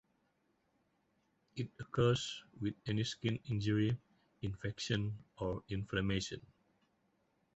It occurs with any skin injury, infection, or inflammation.